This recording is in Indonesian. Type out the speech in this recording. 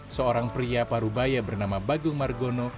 seorang pria parubaya bernama bagung margono